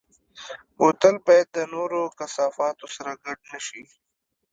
بوتل باید د نورو کثافاتو سره ګډ نه شي.